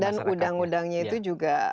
dan udang udangnya itu juga